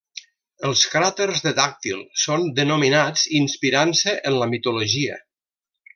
Els cràters de Dàctil són denominats inspirant-se en la mitologia.